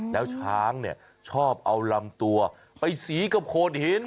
แล้วช้างเนี่ยชอบเอาลำตัวไปสีกับโขดหิน